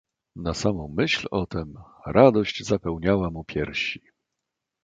"Na samą myśl o tem, radość zapełniała mu piersi."